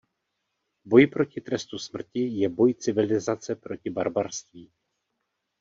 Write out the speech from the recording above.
Boj proti trestu smrti je boj civilizace proti barbarství.